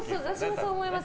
そう思います。